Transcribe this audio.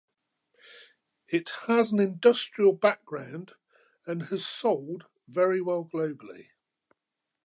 It has an industrial background and has sold very well globally.